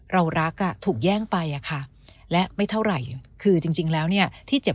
เรารักอ่ะถูกแย่งไปอะค่ะและไม่เท่าไหร่คือจริงแล้วเนี่ยที่เจ็บ